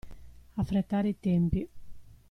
Affrettare i tempi!